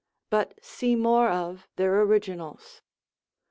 But see more of their originals.